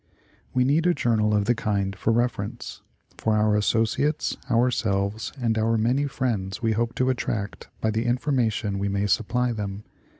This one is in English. We need a jour nal of the kind for reference ; for our associates, ourselves, and our many friends we hope to attract by the information we may supply them.